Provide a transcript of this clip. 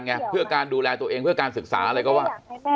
เพื่อการดูแลตัวเองเพื่อการศึกษาอะไรก็ว่า